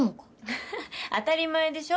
フフッ当たり前でしょ。